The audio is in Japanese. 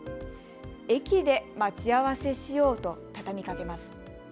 駅で待ち合わせしようと畳みかけます。